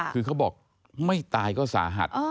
คือเขาบอกไม่ตายก็สาหัส